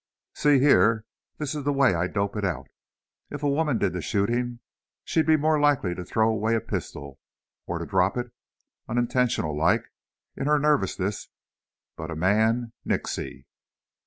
See here, this is the way I dope it out. If a woman did the shooting, she'd be more'n likely to throw away a pistol, or to drop it unintentional like, in her nervousness, but a man nixy!"